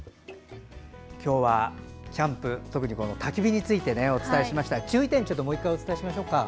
今日はキャンプ特にたき火についてお伝えしましたが注意点をもう１回お伝えしましょうか。